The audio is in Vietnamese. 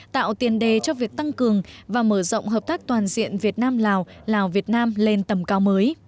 tạo tiền đề cho việc tăng cường và mở rộng hợp tác toàn diện việt nam lào lào việt nam lên tầm cao mới